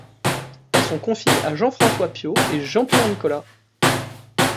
Elles sont confiées à Jean-François Piot et Jean-Pierre Nicolas.